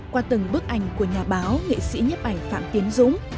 qua từng bức ảnh của nhà báo nghệ sĩ nhấp ảnh phạm tiến dũng